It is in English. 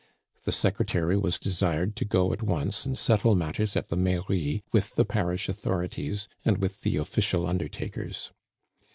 The secretary was desired to go at once and settle matters at the Mairie with the parish authorities and with the official undertakers.